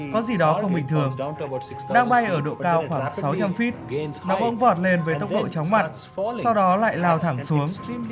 có gì đó không bình thường đang bay ở độ cao khoảng sáu trăm linh feet nó cũng vọt lên với tốc độ chóng mặt sau đó lại lao thẳng xuống